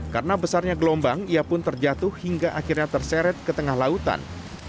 karena besarnya gelombang ia pun terjatuh hingga akhirnya terseret ke tengah lautan